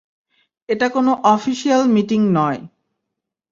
এটা কোনো official meeting নয়।